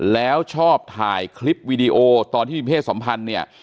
แล้วชอบถ่ายคลิปวีดีโอตอนที่มีเพศสัมพันธ์เนี่ย